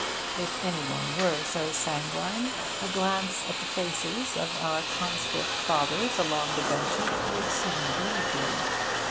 If any one were so sanguine, a glance at the faces of our Conscript Fathers along the benches would soon bleed him.